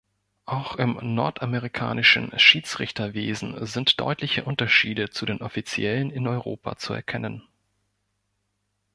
Auch im nordamerikanischen Schiedsrichterwesen sind deutliche Unterschiede zu den Offiziellen in Europa zu erkennen.